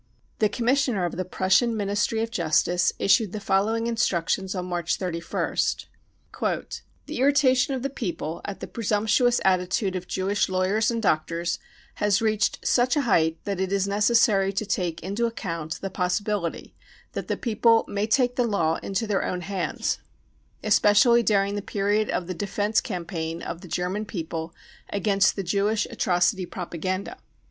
35 The Commissioner of the Prussian Ministry of Justice issued the following instructions on March 31st :*" The irritation of the people at the presumptuous attitude of Jewish lawyers and doctors has reached such a height that it is necessary to take into account the possibility that the people may take the law into their own hands, especially during the period of the defence campaign of the German people against the Jewish atrocity propaganda.